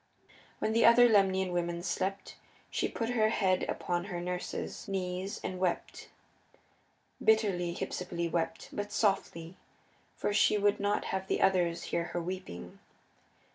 When the other Lemnian women slept she put her head upon her nurse's, knees and wept; bitterly Hypsipyle wept, but softly, for she would not have the others hear her weeping.